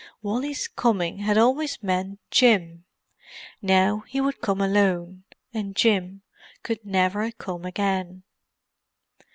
Wally's coming had always meant Jim. Now he would come alone, and Jim could never come again.